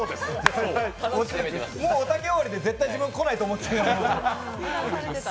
もう、おたけ終わりで絶対、自分来ないと思ってたから。